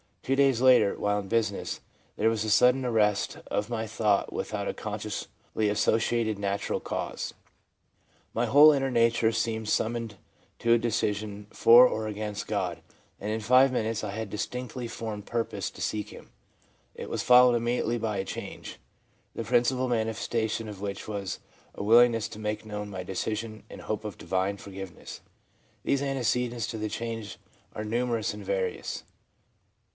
Two days later, while in business, there was a sudden arrest of my thought without a consciously associated natural cause. My whole inner nature seemed summoned to a decision for or against God ; and in five minutes I had a distinctly formed purpose to seek Him. It was followed immediately by a change, the principal mani festation of which was a willingness to make known my decision and hope of divine forgiveness.' These antecedents to the change are numerous and various.